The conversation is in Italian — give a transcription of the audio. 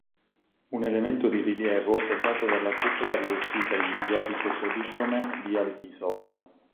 Un elemento di rilievo è dato dalla cupola rivestita in maioliche policrome di Albisola.